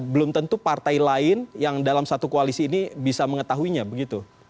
belum tentu partai lain yang dalam satu koalisi ini bisa mengetahuinya begitu